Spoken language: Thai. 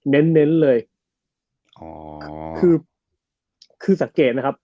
เน้นเลยคือสังเกตนะครับ